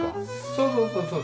そうそうそうそう。